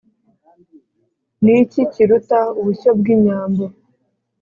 ni iki kiruta ubushyo bw' inyambo